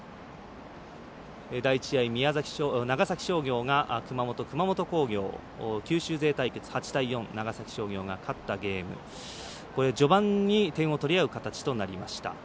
第１試合、長崎商業が熊本、熊本工業九州勢対決８対４で長崎商業が勝ったゲーム、序盤に点を取り合う形となりました。